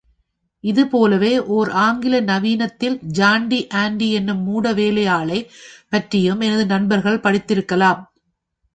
இதுபோலவே ஓர் ஆங்கில நவீனத்தில் ஹான்டி ஆன்டி என்னும் மூடவேலையாளைப் பற்றியும் எனது நண்பர்கள் படித்திருக்கலாம்.